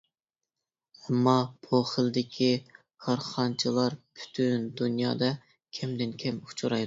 ئەمما بۇ خىلدىكى كارخانىچىلار پۈتۈن دۇنيادا كەمدىن كەم ئۇچرايدۇ.